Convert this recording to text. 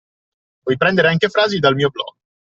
Puoi prendere anche le frasi dal mio blog.